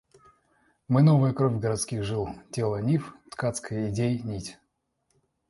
Мы новая кровь городских жил, тело нив, ткацкой идей нить.